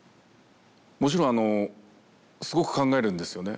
もちろんあのすごく考えるんですよね。